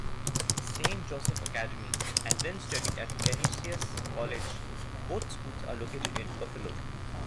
Saint Joseph Academy, and then studied at Canisius College-both schools are located in Buffalo.